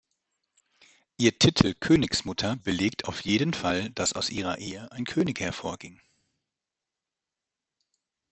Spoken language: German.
Ihr Titel Königsmutter belegt auf jeden Fall, dass aus ihrer Ehe ein König hervorging.